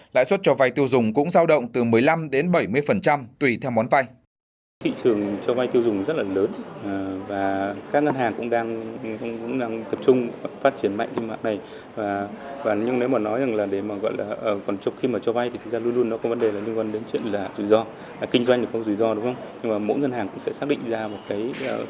lãi suất cho vay tiêu dùng cũng giao động từ một mươi năm bảy mươi tùy theo món vay